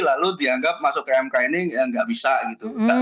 lalu dianggap masuk ke mk ini nggak bisa gitu